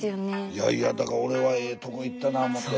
いやいやだから俺はええとこ行ったな思って。